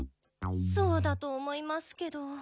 そうだと思いますけど。